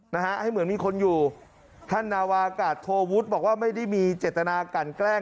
นะฮะให้เหมือนมีคนอยู่ท่านนาวากาศโทวุฒิบอกว่าไม่ได้มีเจตนากันแกล้ง